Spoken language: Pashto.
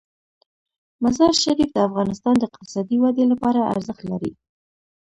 مزارشریف د افغانستان د اقتصادي ودې لپاره ارزښت لري.